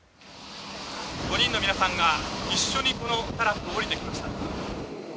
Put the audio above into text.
５人の皆さんが、一緒にこのタラップを降りてきました。